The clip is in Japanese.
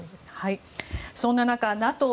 そんな中ＮＡＴＯ